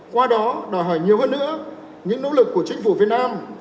qua đó đòi hỏi nhiều hơn nữa những nỗ lực của chính phủ việt nam